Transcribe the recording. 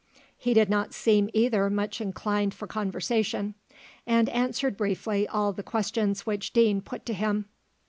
He did not seem either much inclined for conversation, and answered briefly all the questions which Deane put to him.